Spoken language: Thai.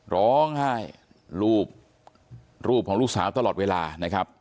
ร้องไห้รูปรูปของลูกสาวตลอดเวลานะครับ